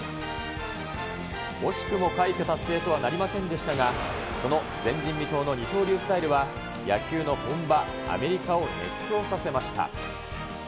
惜しくも快挙達成とはなりませんでしたが、その前人未到の二刀流スタイルは、野球の本場、アメリカを熱狂させました。